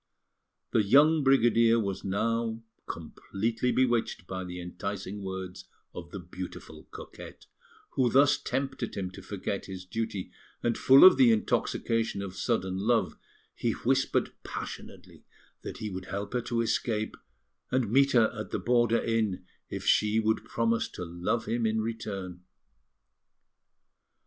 The young brigadier was now completely bewitched by the enticing words of the beautiful coquette, who thus tempted him to forget his duty; and full of the intoxication of sudden love, he whispered passionately that he would help her to escape, and meet her at the border inn, if she would promise to love him in return.